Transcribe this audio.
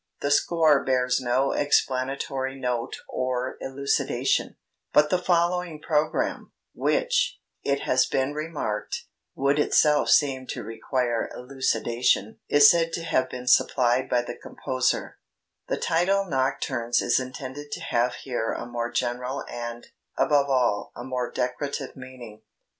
The score bears no explanatory note or elucidation; but the following "programme" (which, it has been remarked, would itself seem to require elucidation) is said to have been supplied by the composer: "The title 'Nocturnes' is intended to have here a more general and, above all, a more decorative meaning.